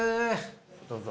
どうぞ。